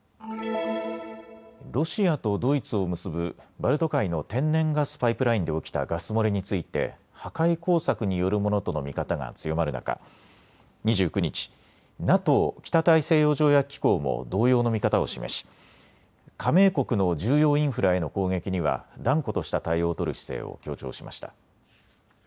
ロシアとドイツを結ぶバルト海の天然ガスパイプラインで起きたガス漏れについて破壊工作によるものとの見方が強まる中、２９日、ＮＡＴＯ・北大西洋条約機構も同様の見方を示し、加盟国の重要インフラへの攻撃には断固とした対応を取る姿勢を強調しました。